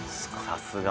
さすが。